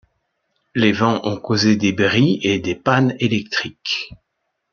Les vents ont causé des bris et des pannes électriques.